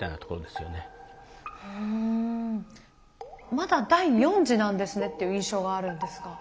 まだ第４次なんですねっていう印象があるんですが。